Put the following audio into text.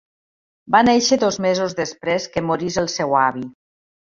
Va néixer dos mesos després que morís el seu avi.